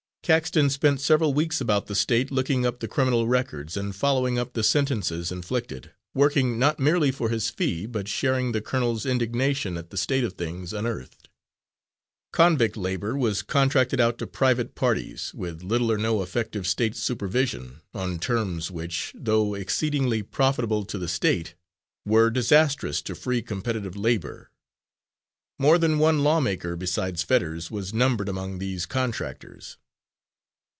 Caxton spent several weeks about the State looking up the criminal records, and following up the sentences inflicted, working not merely for his fee, but sharing the colonel's indignation at the state of things unearthed. Convict labour was contracted out to private parties, with little or no effective State supervision, on terms which, though exceedingly profitable to the State, were disastrous to free competitive labour. More than one lawmaker besides Fetters was numbered among these contractors.